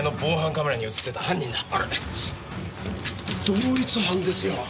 同一犯ですよ。